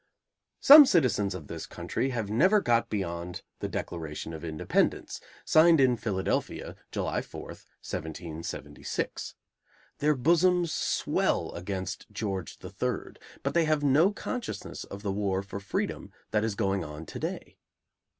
Some citizens of this country have never got beyond the Declaration of Independence, signed in Philadelphia, July 4th, 1776. Their bosoms swell against George III, but they have no consciousness of the war for freedom that is going on to day.